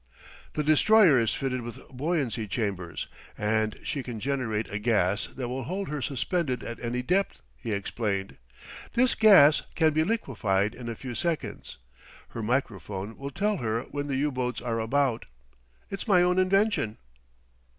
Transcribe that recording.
"The Destroyer is fitted with buoyancy chambers, and she can generate a gas that will hold her suspended at any depth," he explained. "This gas can be liquefied in a few seconds. Her microphone will tell her when the U boats are about; it's my own invention."